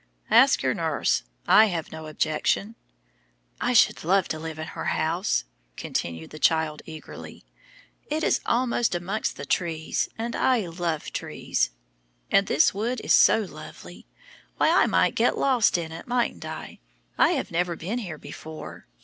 "Ask your nurse; I have no objection." "I should love to live in her house," continued the child eagerly; "it is all among the trees, and I love trees. And this wood is so lovely. Why, I might get lost in it, mightn't I? I have never been here before.